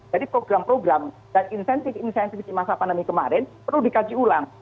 jadi program program dan insentif insentif di masa pandemi kemarin perlu dikaji ulang